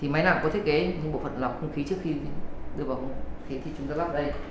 máy nào có thiết kế những bộ phần lọc khí trước khi đưa vào không khí thì chúng ta lắp đây